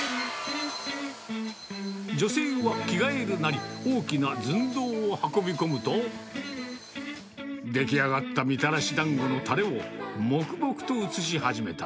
女性は着替えるなり、大きなずんどうを運び込むと、出来上がったみたらしだんごのたれを黙々と移し始めた。